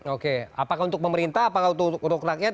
oke apakah untuk pemerintah apakah untuk rakyat